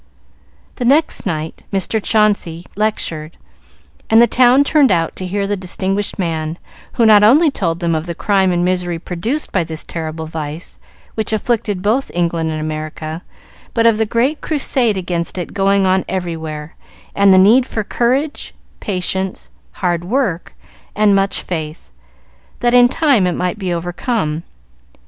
The next night Mr. Chauncey lectured, and the town turned out to hear the distinguished man, who not only told them of the crime and misery produced by this terrible vice which afflicted both England and America, but of the great crusade against it going on everywhere, and the need of courage, patience, hard work, and much faith, that in time it might be overcome.